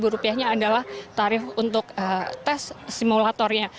rp lima puluh nya adalah tarif untuk tes simulatornya